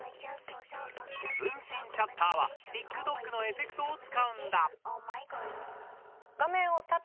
「分身シャッター」はＴｉｋＴｏｋのエフェクトを使うんだ。